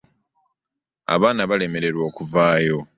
Abaana balemererwa okuvaayo.